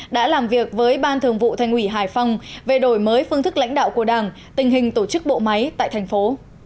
đã làm việc với ban thường vụ thành ủy hải phòng về đổi mới phương thức lãnh đạo của đảng tình hình tổ chức bộ máy tại thành phố